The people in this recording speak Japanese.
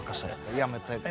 やめて。